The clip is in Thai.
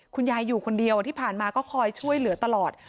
คุณยายอยู่คนเดียวที่ผ่านมาก็คอยช่วยเหลือตลอด